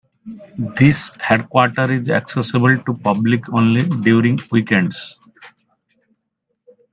This headquarter is accessible to public only during weekends.